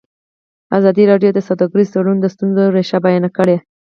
ازادي راډیو د سوداګریز تړونونه د ستونزو رېښه بیان کړې.